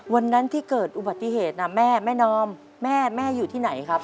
วันนั้นที่เกิดอุบัติเหตุนะแม่แม่นอมแม่แม่อยู่ที่ไหนครับ